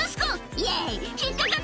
「イエイ引っかかっ」